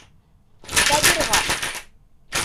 Сабирға.